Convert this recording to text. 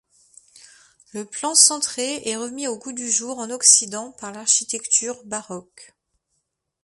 Le plan centré est remis au goût du jour en Occident par l'architecture baroque.